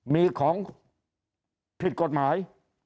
มีของผิดกฎหมาย